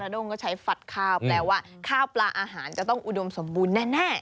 ด้งก็ใช้ฝัดข้าวแปลว่าข้าวปลาอาหารจะต้องอุดมสมบูรณ์แน่